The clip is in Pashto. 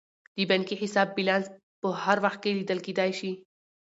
د بانکي حساب بیلانس په هر وخت کې لیدل کیدی شي.